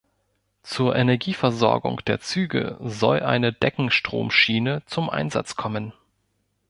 Zur Energieversorgung der Züge soll eine Deckenstromschiene zum Einsatz kommen.